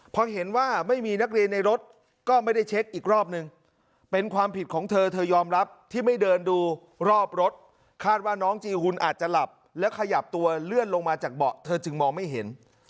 พอเห็นว่าไม่มีนักเรียนในรถก็ไม่ได้เช็คอีกรอบนึงเป็นความผิดของเธอเธอยอมรับที่ไม่เดินดูรอบรถคาดว่าน้องจีหุ่นอาจจะหลับแล้วขยับตัวเลื่อนลงมาจากเบาะเธอจึงมองไม่เห็น